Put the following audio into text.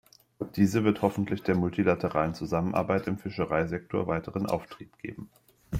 Diese wird hoffentlich der multilateralen Zusammenarbeit im Fischereisektor weiteren Auftrieb geben.